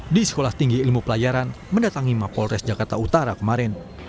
di sekolah tinggi ilmu pelayaran mendatangi mapolres jakarta utara kemarin